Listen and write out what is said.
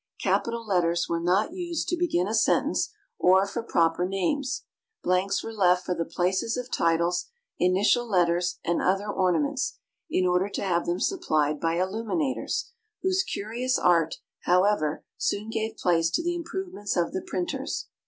Capital letters were not used to begin a sentence, or for proper names. Blanks were left for the places of titles, initial letters, and other ornaments, in order to have them supplied by illuminators, whose curious art, however, soon gave place to the improvements of the printers.